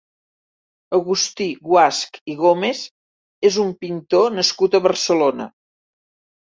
Agustí Guasch i Gómez és un pintor nascut a Barcelona.